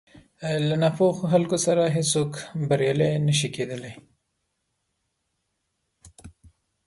له ناپوهو خلکو سره هېڅ څوک بريالی نه شي کېدلی.